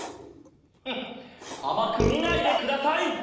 フッあまくみないでください！